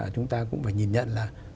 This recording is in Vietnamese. chúng ta cũng phải nhìn nhận là